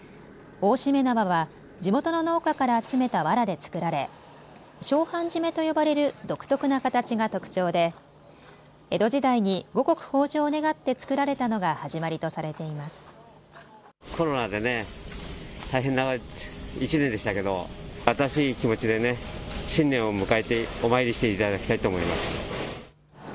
大しめ縄は地元の農家から集めたわらで作られ照範じめと呼ばれる独特な形が特徴で江戸時代に五穀豊じょうを願って作られたのが始まりとされています。